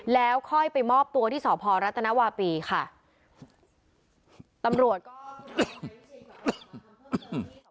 แล้วค่อยไปมอบตัวที่สพรัฐนาวาปีค่ะตำรวจก็อืม